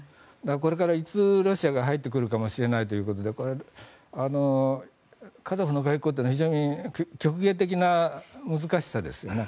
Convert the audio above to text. これから、いつロシアが入ってくるかもしれないということでカザフの外交というのは非常に極限的な難しさですよね。